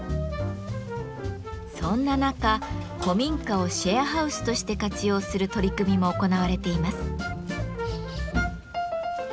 そんな中古民家を「シェアハウス」として活用する取り組みも行われています。